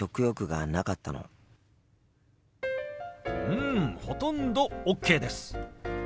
うんほとんどＯＫです。